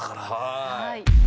はい。